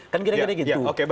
kan kira kira gitu